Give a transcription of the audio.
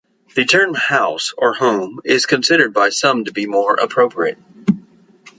The term "house" or "home" is considered by some to be more appropriate.